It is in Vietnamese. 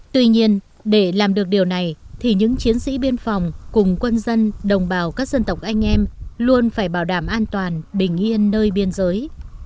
tuy nhiên để làm được điều này thì những chiến sĩ biên phòng cùng quân dân đồng bào các dân tộc anh em luôn phải bảo đảm an toàn bình yên nơi biên giới